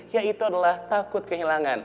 yaitu adalah takut kehilangan